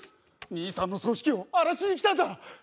兄さんの葬式を荒らしに来たんだ！